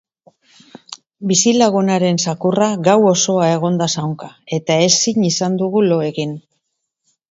Bizilagunaren zakurra gau osoa egon da zaunka eta ezin izan dugu lo egin.